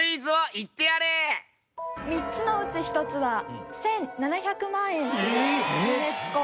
３つのうち１つは１７００万円するユネスコ